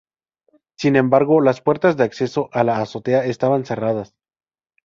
Sin embargo, las puertas de acceso a la azotea estaban cerradas.